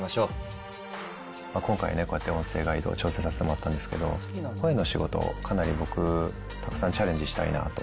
今回、こうやって音声ガイド、挑戦させてもらったんですけど、声の仕事を、かなり僕、たくさんチャレンジしたいなと。